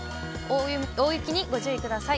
大雪にご注意ください。